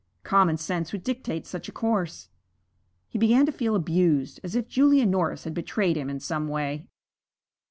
Common sense would dictate such a course. He began to feel abused, as if Julia Norris had betrayed him in some way.